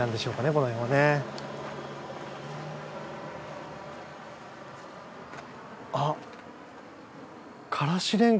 この辺もね。あっ。